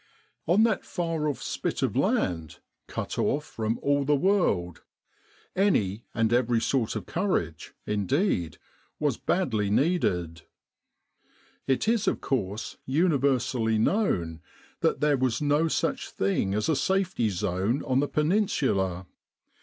On that far off spit of land, cut off from all the world, any and every sort of courage, indeed, was 56 "The Long, Long Way to Achi Baba" badly needed. It is of course universally known that there was no such thing as a safety zone on the Peninsula.